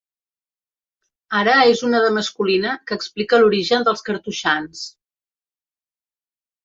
Ara és una de masculina que explica l'origen dels cartoixans.